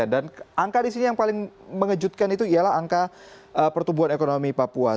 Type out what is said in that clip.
dan angka disini yang paling mengejutkan itu ialah angka pertumbuhan ekonomi papua